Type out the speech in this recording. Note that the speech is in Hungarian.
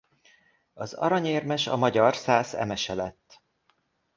Az aranyérmes a magyar Szász Emese lett.